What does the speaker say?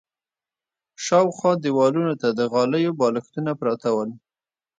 شاوخوا دېوالونو ته د غالیو بالښتونه پراته ول.